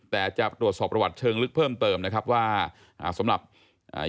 แต่จะตรวจสอบประวัติเชิงลึกเพิ่มเติมนะครับว่าอ่าสำหรับอ่า